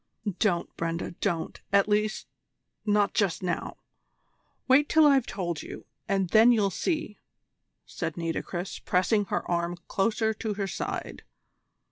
"Don't, Brenda, don't at least not just now! Wait till I've told you, and then you'll see," said Nitocris, pressing her arm closer to her side.